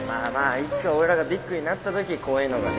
いつか俺らがビッグになったときこういうのがね